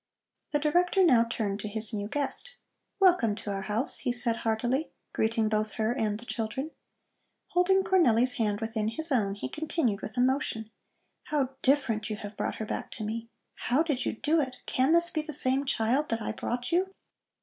The Director now turned to his new guest. "Welcome to our house," he said heartily, greeting both her and the children. Holding Cornelli's hand within his own, he continued with emotion: "How different you have brought her back to me! How did you do it? Can this be the same child that I brought you?"